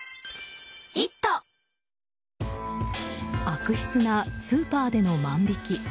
悪質なスーパーでの万引き。